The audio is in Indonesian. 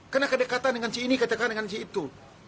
kena kedekatan dengan si ini kedekatan dengan si itu